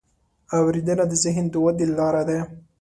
اورېدنه د ذهن د ودې لاره ده.